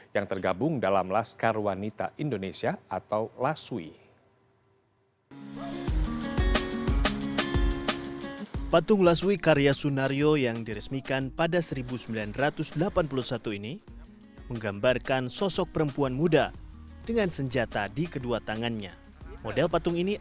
yang tergabung dalam laskar wanita indonesia atau lasui